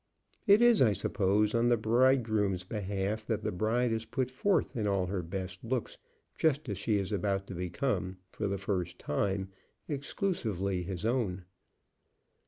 It is, I suppose, on the bridegroom's behalf that the bride is put forth in all her best looks just as she is about to become, for the first time, exclusively his own.